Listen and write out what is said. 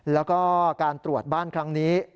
แล้วก็การตรวจบ้านครั้งนี้